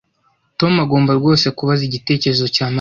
Tom agomba rwose kubaza igitekerezo cya Mariya